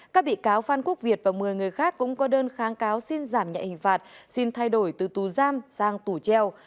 các bị cáo phan quốc việt và một mươi người khác cũng có đơn kháng cáo xin giảm nhạy hình phạt xin thay đổi từ tù giam sang tù treo